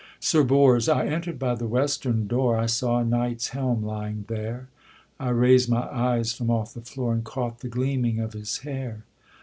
SIR BORS. I enter'd by the western door; I saw a knight's helm lying there: I raised my eyes from off the floor, And caught the gleaming of his hair.